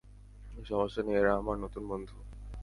সমস্যা নেই, এরা আমার নতুন বন্ধু।